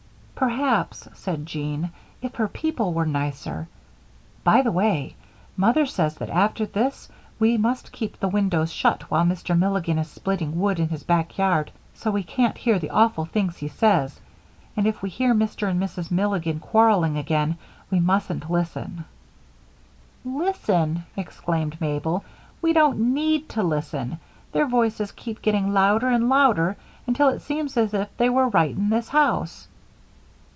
"Perhaps," said Jean, "if her people were nicer By the way, Mother says that after this we must keep the windows shut while Mr. Milligan is splitting wood in his back yard so we can't hear the awful things he says, and that if we hear Mr. and Mrs. Milligan quarreling again we mustn't listen." "Listen!" exclaimed Mabel. "We don't need to listen. Their voices keep getting louder and louder until it seems as if they were right in this house."